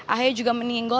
ahi juga menilai